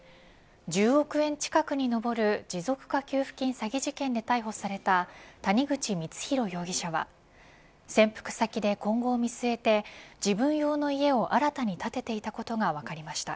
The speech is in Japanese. １０億円近くに上る持続化給付金詐欺事件で逮捕された谷口光弘容疑者は潜伏先で今後を見据えて自分用の家を新たに建てていたことが分かりました。